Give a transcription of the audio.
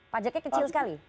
pajaknya kecil sekali